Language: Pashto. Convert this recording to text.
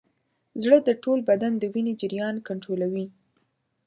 زړه د ټول بدن د وینې جریان کنټرولوي.